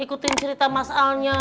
ikutin cerita mas aldnya